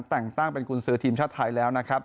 แต่งตั้งเป็นกุญสือทีมชาติไทยแล้วนะครับ